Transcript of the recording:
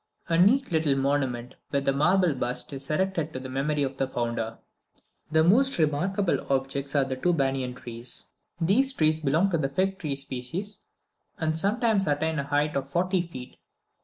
A neat little monument, with a marble bust, is erected to the memory of the founder. The most remarkable objects are two banana trees. These trees belong to the fig tree species, and sometimes attain a height of forty feet.